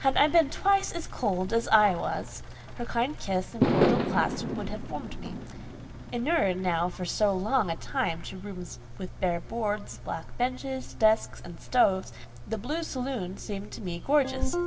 Had I been twice as cold as I was, her kind kiss and cordial clasp would have warmed me. Inured now for so long a time to rooms with bare boards, black benches, desks, and stoves, the blue saloon seemed to me gorgeous.